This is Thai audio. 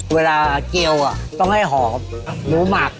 เวลาเกลียวต้องให้หอมหรือหมัก